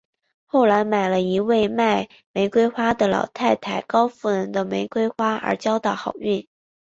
后来买了一位卖玫瑰花的老太太高夫人的玫瑰花而交到好运。